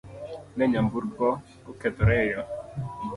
Ne nyamburko okethore e yoo